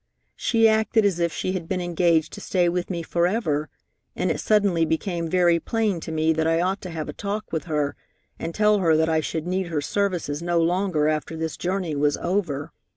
She acted as if she had been engaged to stay with me forever, and it suddenly became very plain to me that I ought to have a talk with her and tell her that I should need her services no longer after this journey was over.